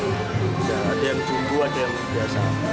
ada yang jumbo ada yang biasa